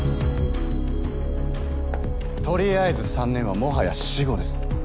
とりあえず３年はもはや死語です。